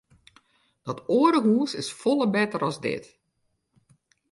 Dat oare hús is folle better as dit.